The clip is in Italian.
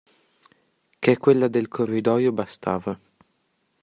Ché quella del corridoio bastava.